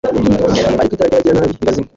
ariko itara ry'abagiranabi rizazima